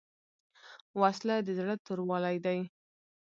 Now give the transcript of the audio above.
وسله د زړه توروالی دی